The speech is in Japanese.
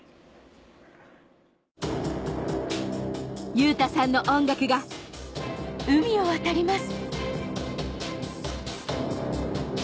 優太さんの音楽が海を渡ります